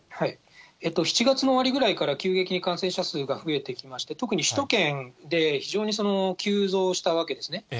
７月の終わりぐらいから急激に感染者数が増えてきていまして、特に首都圏で非常に急増したわけですね。